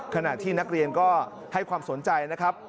ขณะที่นักเรียนก็ให้ความสนใจนะครับ